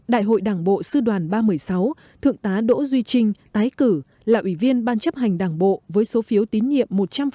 đại hội đảng bộ sư đoàn ba trăm một mươi sáu thượng tá đỗ duy trinh tái cử là ủy viên ban chấp hành đảng bộ với số phiếu tín nhiệm một trăm linh